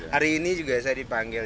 hari ini juga saya dipanggil